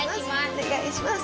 お願いします